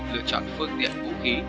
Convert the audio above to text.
lựa chọn phương tiện vũ khí